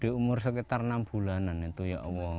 di umur sekitar enam bulanan itu ya allah